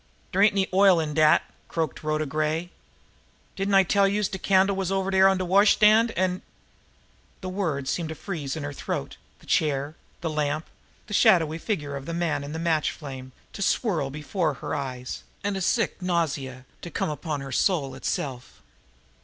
"Dere ain't any oil in dat," croaked Rhoda Gray. "Didn't I tell youse de candle was over dere on de washstand, an' " The words seemed to freeze in her throat, the chair, the lamp, the shadowy figure of the man in the match flame to swirl before her eyes, and a sick nausea to come upon her soul itself.